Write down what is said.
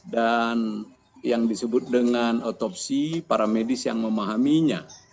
dan yang disebut dengan otopsi para medis yang memahaminya